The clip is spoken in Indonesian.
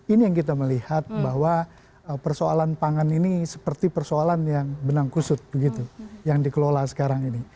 ini yang kita melihat bahwa persoalan pangan ini seperti persoalan yang benang kusut begitu yang dikelola sekarang ini